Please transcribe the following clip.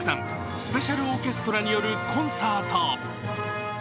スペシャルオーケストラによるコンサート。